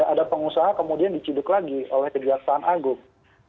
ada pengusaha kemudian dicuduk lagi oleh kegiatan agung